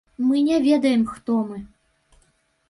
Мы не ведаем, хто мы.